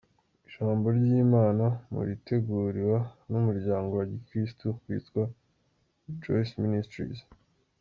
Ijambo ry’Imana muriteguriwa n’Umuryango wa Gikristu witwa Rejoice Ministries.